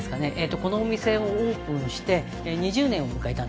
このお店をオープンして２０年を迎えたんです